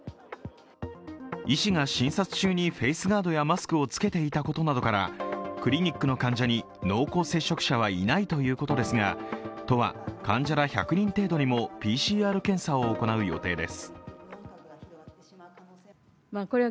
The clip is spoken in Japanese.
医師が診察中にフェイスガードやマスクを着けていたことなどからクリニックの患者に濃厚接触者はいないということですが、都は患者ら１００人程度にもＰＣＲ検査を行う予定です。